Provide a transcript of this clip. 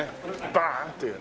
バーン！っていうね。